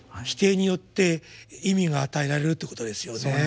否定によって意味が与えられるということですよね。